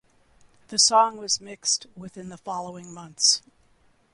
The song was mixed within the following months.